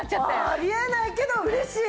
あり得ないけど嬉しい！